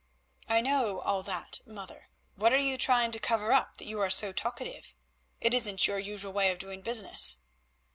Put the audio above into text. "I know all that, mother. What are you trying to cover up that you are so talkative? It isn't your usual way of doing business.